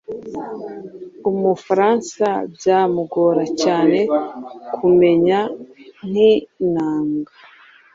Umufaransa byamugora cyane kumenya nk’inanga,